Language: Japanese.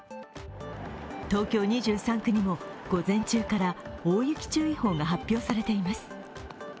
東京２３区にも午前中から大雪注意報が発表されています。